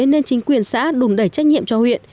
nên chính quyền xã đùng đẩy trách nhiệm cho huyện